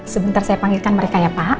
sebentar saya panggilkan mereka ya pak